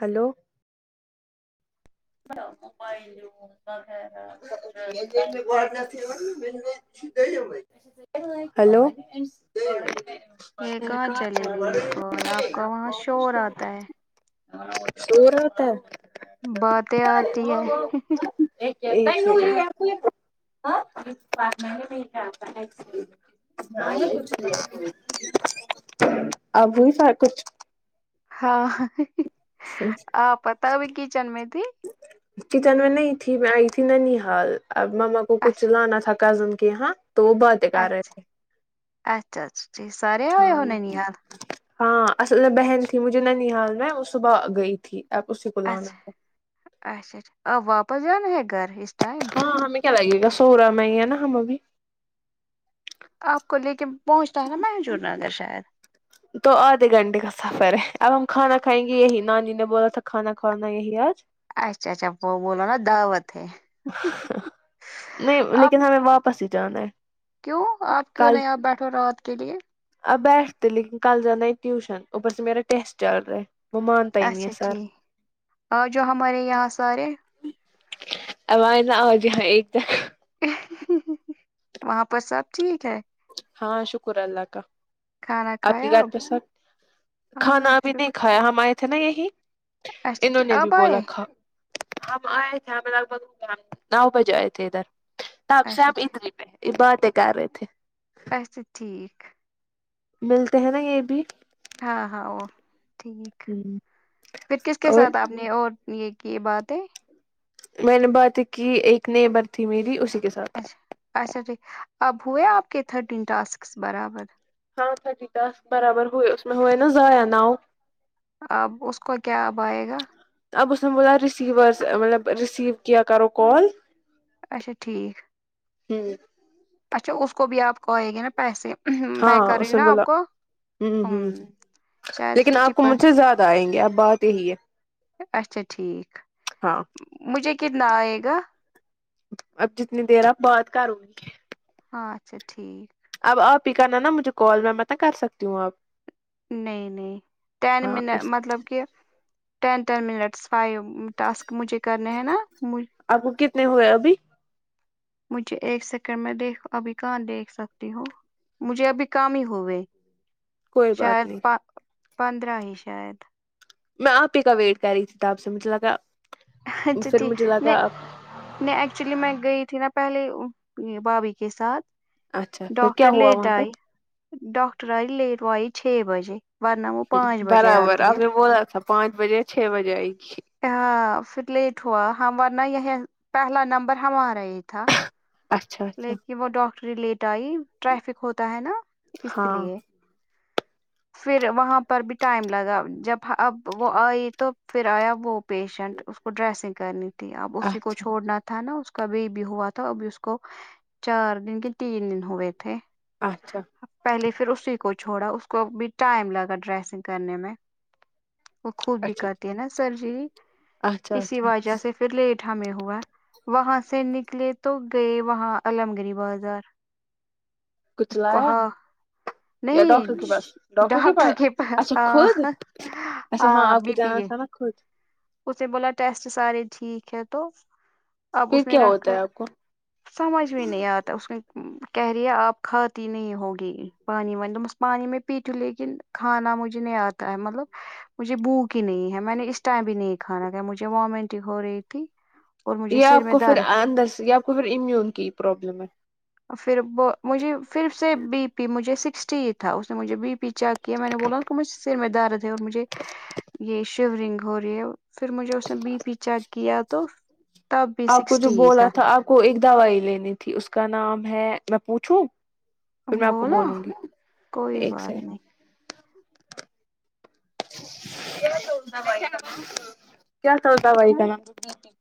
Hello موبائلو ب ج ہلو یہ کہاں چلے ت شور ہوتا ہے باتیں آتی ہے پچ منے نہیںتا ابوی سارا کچھ ہاں آ پتا ابھی کچن میں تھی چچن میں نہیں تھی میں آئی تھی نن حال اب مما کو کچھ اچھا لانا تھا کزم کے یہاں تو بعد اچھا اچھا اچھا جٹھ سارے آئے ہاں ہو ننیھال ہاں اصل میں بہن تھی مجھے ننی حال میں وہ صبح گئی تھی ایپ اسسی کو ل آ لا اچھا اچھا اچھا آپ واپس جانا ہے گھر اس ٹائم ہاں ہمیں کیا لگے گا سوورا میں ہی ہے نا ہمیں بھی آپ کو لے کے پہنچتا ہے نا محجور نگر شاید تو آدھے گھنٹے کا سفر ہے اب ہم کھانا کھائیں گے یہی نانیانی نے بولا تھا کھانا کھوانا یہی آج اچھا اچا وہ بول نا دعوت ہے نہیں آپ لیکن ہمیں واپس ہی جانا ہے کیوں آپ کیوں کل نہیں آپ بیٹھو رات کے لیے اب بیٹھتے لیکن کل جانا ہے ٹیوشن اوپر سے میرا ٹیسٹ چل رہا ہے وہ مانتا ہی نہیں ہے اچھا سر ٹھیک آ جا ہمارے یہاں سارے آواز نہ آجائے ہاں ایک طر وہاں پر سب ٹھیک ہے ہاں شکر اللہ کا کھانا آپ کے کھایا گھر اب پہ سب ہاں کھانا ابھی د شکر کھایا ہم آئے تھے نا یہی اچھا انہوں ٹھیک، نے بھی اب آئے بولا تھا ہم آئے تھے ہمیں لگ بھگ نو بجے آئے تھے ادھر تب اچھا سےب ٹھیک، ادری میںہ ہیں یہ باتیں کر رہے تھے اچسا ٹھیک ملتے ہیں نا یہ بھی ہاں ہاں وہ ٹھیک پھر کس کے اور ساتھ آپ نے اور یہ کی بات ہے میں نے بات کی ایک نیبر تھی میری اسی کے ساتھ اچھا اچھا ٹھیک اب ہوئے آپ کے تھر ٹاسک برابر ہاں تھٹیتاس برابر ہوئے اس میں ہوئے نا ائع نو آب اس کو کیا آب آئے گا آب بس نا بوولان رسسیورس مطلب رسسیو کی کرو کال اچھا ٹھیک ہوں اچھا اس کو بھی آپ کہے گے نا پیسے میں ہاں کر رہی ہوں اسے نا آپ بولا کو ہ ہم، ہ شاید لیکن ففٹی آپ کو پر مجھے زیادہ آئیں گے اب بات یہی ہے اچھا ٹھیک ہاں مجھے کتنا آئے گا اب جتنی دیر آپ بات کروں گی ہاں اچھا ٹھیک اب آپ ہی کرنا نا مجھے کال میں مت کر سکتی ہوں آپ نہیں نہیں ٹین ہاں من اس مطلب کہ ten ten minutes five task مجھے کرنے ہیں نا آپ کو کتنے ہوئے ابھی مجھے ایک سیکنڈ میں دیکھ ابھی کہاں دیکھ سکتی ہوں مجھے ابھی کام ہی ہو گئے کوئی بات شاید نہیں پندرہ ہی شاید میں آپ ہی کا ویٹ کر رہی تھی تو آپ سے مجھے لگا اچھا پھر مجھے ٹھیک لگا نہیں ایکچولی میں گئی تھی نا پہلے بابھی کے ساتھ اچھا پھر کیا ڈاکاکٹر ہوا لیٹ وہاں پہ آئی ڈاکاکٹر آئی لٹ آائی چھ بجے ورنہ وہ پانچ بجے برابر آتی ہے آپ نے بولا تھا پانچ بجے چھ بجے آئی گ اں پھر لیٹ ہوا ہم ورنہ یہ پہلا نمبر ہمارا یہ تھا اچھا اچھا لیکن وہ ڈاکٹری لیٹ آئی ٹریفک ہوتا ہے نا اس ہاں لیے پھر وہاں پر بھی ٹائم لگا جب اب وہ آئی تو پھر آیا وہ پیشنٹ اس کو ڈریسنگ کرنی تھی اب اسی کو اچھا چھوڑنا تھا نا اس کا بی بھی ہوا تھا اب اس کو چار دن کے تین دن ہوئے تھے اچھا پہلے پھر اسی کو چھوڑا اس کو بھی ٹائم لگا ڈریسنگ کرنے میں وہ خوود بھی اچھا کرتی ہے نا سر جی اچھا اسی اچھا وجہ سے پھر لٹھا میں ہوا وہاں سے نکلے تو گئے وہاں علممگیری بازار کچھ اس کو لایا ہاں یا نہیں ڈٹر پاس ڈاکٹر کے پاس اچھا خود اچھا ہاں آپ کو بی پی جانا کے تھا نا خود اس نے بولا ٹیسٹ سارے ٹھیک ہے تو اب پھر اس نے کیا رکھ ہوتا ہے آپ کو سمجھ میں نہیں آتا اس کہہ رہی ہے آپ کھاتی نہیں ہوگی پانی ون دوپمس پانی میں پتو لیکن خانا مجے نہیں آ مطلب مجھے بوک ہی نہیں ہے میں نے اس ٹائم بھی نہیں کھانا کہ مجھے ومنٹنگ ہو رہی تھی اور مجھے سر آپ میں کو پھر درد اندر سے آپ کو پھر امیون کی پرابلم ہے پھر مجھے پھر سے بی پی مجھے سکسٹیت تھا اس نے مجھے بی پی چیک کیا میں نے بولا اس مجھے سر میں درد تھے اور مجھے یہ شیورنگ ہو رہی ہے پھر مجھے اس نے بی پی چیک کیا تو تب بھی آپ کو جو سکسٹی ہی بولا تھا آپ کو ایک دوائی لینی تھی اس کا نام ہے میں پوچھوں پھر میں آپ کو بولا بولوں گی کوئی ایک بات سے نہیں کیا ستا بھائی کانا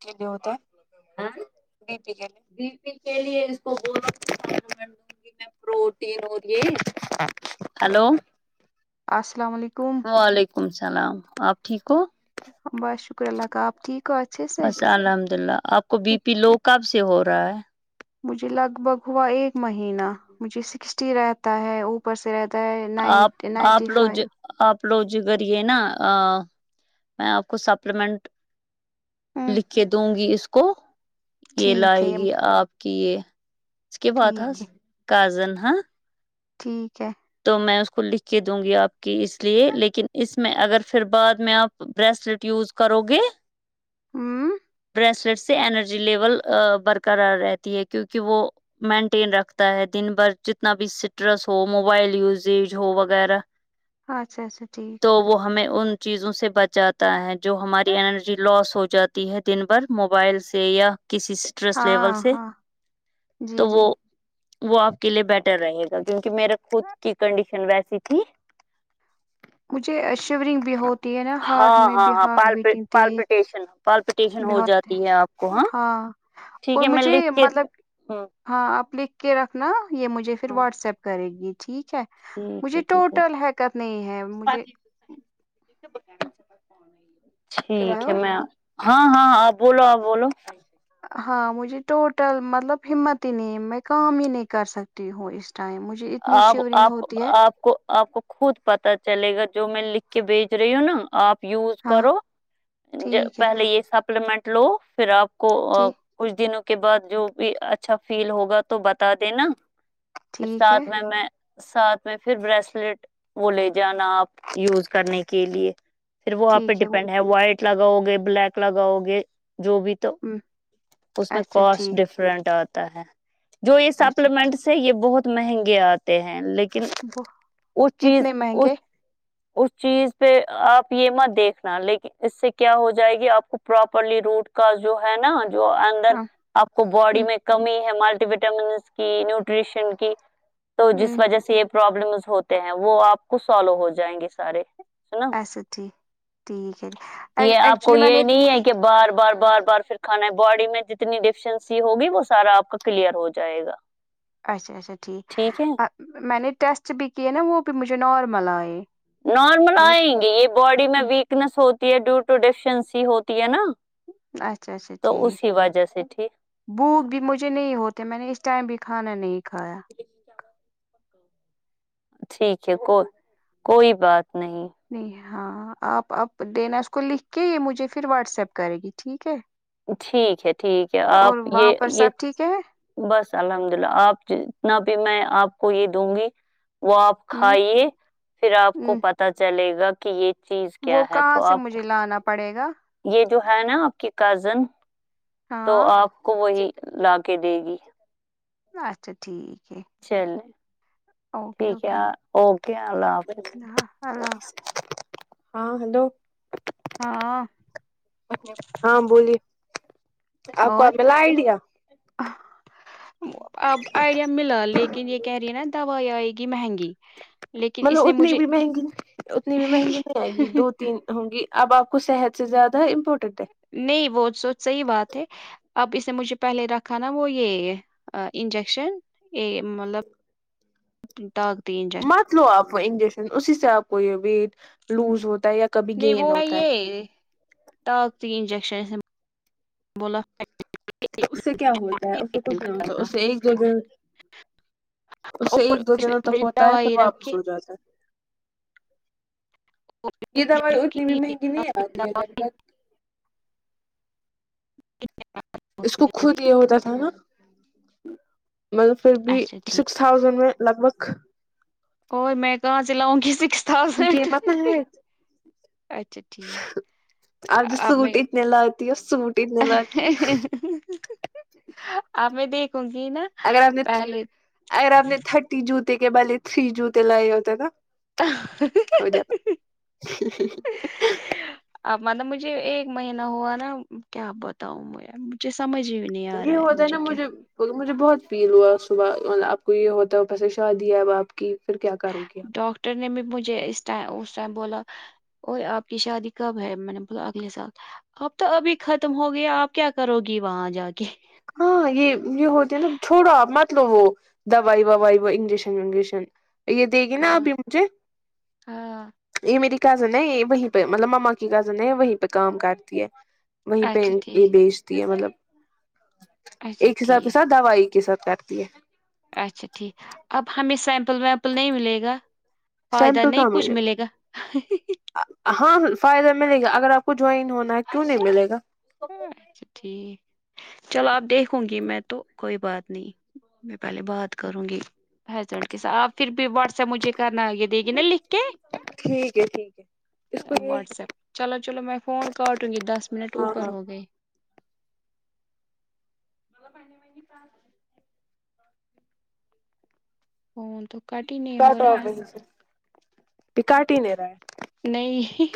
کے لی ہوتے ہ بی پی کے لیے بی پی کے لیے اس کو ب د گی میں پروٹی ہو ہلو السلام علیکم وعلیکم السلام آپ ٹھیک ہو بس شکر اللہ کا آپ ٹھیک اچھے سے بس الحمد للہ آپ کو بی پی لو کب سے ہو رہا ہے مجھے لگ بھگ ہوا ایک مہینہ مجھے سکسٹی رہتا ہے اوپر سے رہتا نائن آپ نائنٹی آپ لوگ فائیو آپ لوجگرے نا میں آپ کو سپلیمنٹ ہوں لکھ کے دوں گی اس کو یہ ٹھیک لائے ہے گی آپ کی یہ اس کے بات تھا ٹھیک ہے کزن ہ ٹھیک ہے تو میں اس کو لکھ کے دوں گی آپ کی اس لیے لیکن اس میں اگر پھر بعد میں آپ برسلٹ یوز کرو گ ہوں بسلیٹ سے انینرجی لیول برقرار رہتی ہے کیونکہ وہ مینٹین رکھتا ہے دن بھر جتنا بھی سٹرس ہو مو وائل یوزیج ہو وغیرہ ہ اچھا اچھا ٹھیک تو وہ ہمیں ان چیزوں سے بچاتا ہے جو ہماری انرجی لاس ہو جاتی ہے دن بھر موبائل سے یا کسی انٹرس لیول ہاں سے ہاں جی تو وہ جی وہ آپ کے لیے بیٹر رہے گا کیونکہ میرے خود کی کنڈیشن ویسی تھی مجھے شیورنگ بھی ہوتی ہے نا ہارٹ ہاں میں ہاں بھی ہاں ہارٹ پالپ بیٹنگ تیز پالپٹیشن پالپٹیشن بھی ہو ہوتے جاتی ہے آپ کو ہیں۔ ہاں ٹھیک اور ہے میں مجھے لکھ کے مطلب ہ ہاں آپ لکھ کے رکھنا یہ مجھے پھر ہاں واٹس ایپ کرے گی ٹھیک ہے ٹھیک مجھے ہے ٹھیک ہے ٹوٹل حریکت نہیں ہے مجھے ٹھیک ہلو ہے میں ہاں ہاں ہاں بولو آ بولو ہاں مجھے ٹوٹل مطلب ہمت ہی نہیں میں کام ہی نہیں کر سکتی ہوں اس ٹائم مجھے اتنی آپ شیورنگ آپ کو ہوتی ہے آپ کو آپ کو خود پتا چلے گا جو میں لکھ کے بھیج رہی ہوں نا آپ یوز ہاں کرو ٹھیک ہے پہلے یہ سپلیمنٹ لو پھر آپ کو ٹھیک کچھ دنوں کے بعد جو بھی اچھا فیل ہوگا تو بتا دینا پھر ٹھیک ہے ساتھ میں میں ساتھ میں پھر بریسلٹ وہ لے جانا آپ یوز کرنے کے لیے پھر وہ آاں پہ ٹھیک وہ ڈیپینڈ ہے وائٹ لگاؤ گے بلیک لگاؤ گے جو بھی تو ہم، اس میں اچھا کوسٹ ٹھیک ڈفرنٹ آتا ہے جو یہ اچھا ٹھیک، سپلیمنٹس ہے یہ بہت مہنگے آتے ہیں لیکن وہ اس چیز کتنے اس مہنگے اس چیز پہ آپ یہ مت دیکھنا لیکن اس سے کیا ہو جائے گی آپ کو پراپرلی روٹ کا جو ہے نا جو اندر ہاں آپ کو باڈی ہم، میں کمی ہے ملٹی وٹامنس کی نیوٹریشن کی تو جس ہم، وجہ سے یہ پرابلمس ہوتے ہیں وہ آپ کو سالو ہو جائیں گے سارے نا ایچسا ٹھیک ٹھیک ہے جی یہ آپ کو یہ نہیں ہے کہ بار بار بار بار پھر کھانا باڈی میں جتنی ڈیفیشنسی ہوگی وہ سارا آپ کا کلیئر ہو جائے گا اچھا اچا ٹھیک ٹھیک ہے میں نے ٹیسٹ بھی کیے نا وہ بھی مجھے نارمل آئے نارمل میں نے آئیں گی یہ باڈی میں ہم، ویکنیس ہوتی ہے ڈیو ٹو ڈیفیشنسی ہوتی ہے نا اچھا اچھا تو ٹھیک اسی وجہ سے ٹھیک بھوک بھی مجھے نہیں ہوتے میں نے اس ٹائم بھی کھانا نہیں کھایا ٹھیک ہے کو کوئی بات نہیں نہیں ہاں آپ اب دینا اس کو لکھ کے یہ مجھے پھر واٹس ایپ کرے گی ٹھیک ہے ٹھیک ہے ٹھیک ہے آپ اور یہ وہاں پر یہ سب ٹھیک ہے بس الحمد للہ آپ جتنا بھی میں آپ کو یہ دوں گی وہ آپ ہ کھائیے پھر آپ ہ کو پتا چلے گا کہ یہ چیز وہ کیا ہے کہاں تو سے آپ مجھے کو لانا پڑے گا یہ جو ہے نا آپ کی کزن تو ہاں آپ کو وہی لا کے دے گی اچھا ٹھیک ہے چلے ٹھیک ہے اوکے اللہ حافظ ہ اللہ ہاں ہلو ہاں ہاں بولیے آپ کو ملا آئیڈیا ا اب آئیڈیا ملا لیکن یہ کہہ رہی ہے نا دوائی آئے گی مہنگی لیکن مطلب اس نے اتنی مجھے بھی مہنگی اتنی بھی مہنگی نہیں آئے گی دو تین ہوں گی اب آپ کو صحت سے زیادہ امپورٹنٹ ہے نہیں وہ س صحیح بات ہے اب اس نے مجھے پہلے رکھا نا وہ یہ انجیکشن ا مطلب طاقتینجن مت لو آپ انجیکشن اسی سے آپ کو یہ ویٹ لوز ہوتا ہے یا کبھی نہیں ب گین ب ہوتا ہے یہ طاقتی انجیکشن بولا تو اس سے کیا ہوتا ہے اس سے کچھ نہیں ہوتا کرنا، اس سے ایک جگہ اس سے اور ایک دو اس نے دنوں تک مجھے ہوتا ہے پھر دوائی رکھی واپس ہو جاتا ہے یہ دوائی اتنی بھی مہنگی نہیں آتی ہے لگ تک اس کو خود یہ ہوتا تھا نا مطلب پھر بھی اچھا اس ٹھیک سکس تھاؤزینڈ میں لگ بھگ اور میں کہاں سے لاؤں گی سکس تھاؤزینڈ قیمت نہ ہے اچھا ٹھیک آپ جو اب سوٹ میں اتنے لاتی ہو سوٹ اتنے لاتی ہو آ میں دیکھوں گی نا اگر آپ نے پہلے اگر آپ نے تھرٹی جوتے کے بالے تھری جوتے لائے ہوتے نا ہو جاتا جی اب مطلب مجھے ایک مہینہ ہوا نا کیا بتاؤں میں مجھے سمجھ ہوئی یہ ہوتاائے نا مجھے مجھے بہت فیل ہوا صبح آپ کو یہ ہوتا ہے پیسے شادی ہے اب آپ کی پھر کیا کرو گی آپ ڈاکٹر نے بھی مجھے اس اس ٹائم بولا ا آپ کی شادی کب ہے میں نے بولا اگلے سال اب تو ابھی ختم ہو گیا آپ کیا کرو گی وہاں جا کے ہاں یہ یہ ہوتی ہے چھوڑو آپ مطلب وہ دوائی وائی و انجیکشن وجیکشن یہ دے گی نا ہاں ابھی مجھے ہاں یہ میری کزن ہے یہ وہیں پہ مطلب مما کی کزن ہے وہیں پہ کام کرتی ہے وہیں پہ اچھا یہ ٹھیک بیچتی ہے مطلب اچھا ایک حساب کے ٹھیک ساتھ دوائی ایک حساب کرتی ہے اچھا ٹھیک اب ہمیں سیمپل ویمپل نہیں ملے گا فائدہ سیمپل نہیں کہاں کچھ ملے گا ہاں فائدہ ملے گا اگر آپ کو جوائن ہونا ہے کیوں نہیں ملے گا اچھا ٹھیک چلو آپ دیکھوں گی میں تو کوئی بات نہیں میں پہلے بات کروں گی ہسبینڈ کے ساتھ آپ پھر بھی واٹس ایپ مجھے کرنا دے گی نا لکھ کے ٹھیک ہے ٹھیک ہے اس کو یہ واٹس ایپ چلو چلو میں فون کر دوں گی دس منٹ ہاں اوپر ہاں ہو گئے مطلب پہنی می فون تو کٹ ہی نہیں ہو کاٹ رہا آف ہے وہیں سے کاٹ ہی نہیں رہا ہے نہیں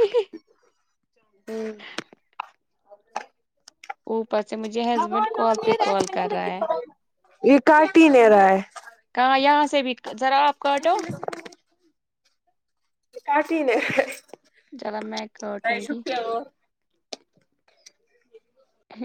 ہوں اوپر سے مجھے ہسبینڈ کال پہ کال کر رہا ہے یہ کاٹ ہی نہیں رہا ہے کہاں یہاں سے بھی ذرا آپ کاٹو کاٹی جل میں ایکٹوں گی